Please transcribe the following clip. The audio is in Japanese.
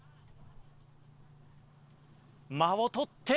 間を取って。